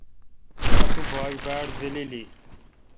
اتو باگ باڑزللی۔